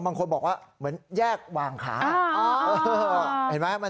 บางคนบอกว่าเหมือนแยกวางขา